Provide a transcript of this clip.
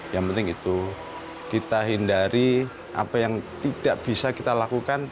yang penting itu kita hindari apa yang tidak bisa kita lakukan